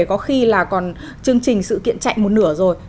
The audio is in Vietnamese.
có khi là còn chương trình sự kiện chạy một nửa rồi